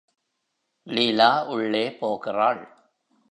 லீலா உள்ளே போகிறாள்.